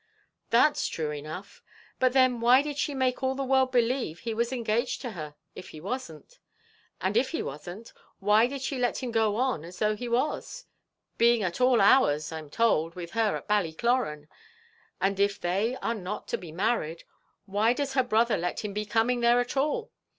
"That's true enough; but then why did she make all the world believe he was engaged to her, if he wasn't? And if he wasn't, why did she let him go on as though he was, being at all hours, I'm told, with her at Ballycloran? and if they are not to be married, why does her brother let him be coming there at all?